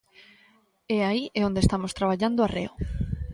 E aí é onde estamos traballando arreo.